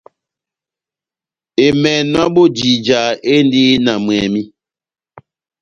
Emènò ya bojija endi na mwɛmi.